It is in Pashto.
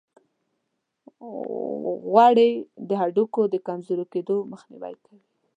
غوړې د هډوکو د کمزوري کیدو مخنیوي کوي.